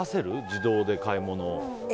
自動で買い物を。